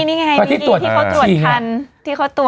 เมื่อกี้นี่ไงมีอีกที่เขาตรวจทัน